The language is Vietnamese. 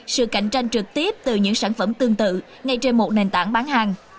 sự cạnh tranh trực tiếp từ những sản phẩm tương tự ngay trên một nền tảng bán hàng